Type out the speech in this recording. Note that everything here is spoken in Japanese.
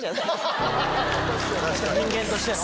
人間としての？